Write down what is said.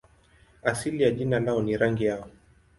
Asili ya jina lao ni rangi yao.